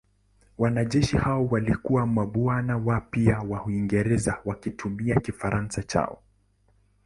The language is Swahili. Wanajeshi hao walikuwa mabwana wapya wa Uingereza wakitumia Kifaransa chao.